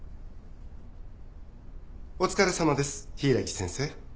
・お疲れさまです柊木先生。